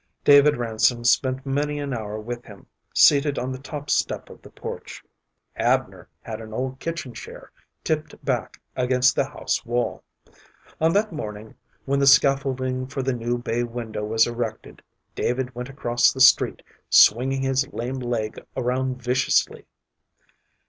David Ransom spent many an hour with him, seated on the top step of the porch. Abner had an old kitchen chair tipped back against the house wall. On that morning when the scaffolding for the new bay window was erected David went across the street swinging his lame leg around viciously.